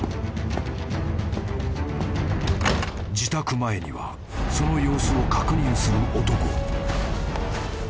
［自宅前にはその様子を確認する男］